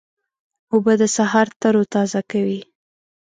اوبه د سهار تروتازه کوي.